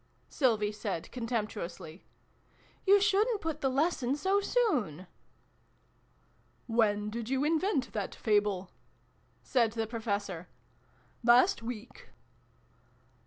Sylvie said con temptuously. " You shouldn't put the Lesson so soon." " When did you invent that Fable ?" said the Professor. " Last week